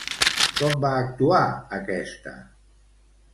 Com va actuar aquesta?